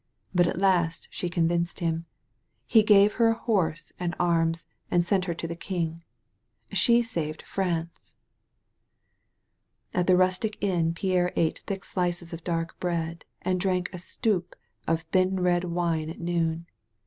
But at last she convinced him. He gave her a horse and arms and sent her to the king. She saved Prance." At the rustic inn Pierre ate thick slices of dark bread and drank a stoup of thin red wine at noon.